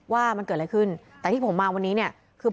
ว่ามันเกิดอะไรขึ้น